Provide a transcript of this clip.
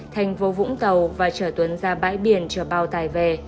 thành phố vũng tàu và chở tuấn ra bãi biển chờ bao tài về